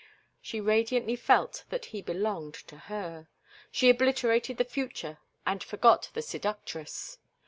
She radiantly felt that he belonged to her; she obliterated the future and forgot the seductress.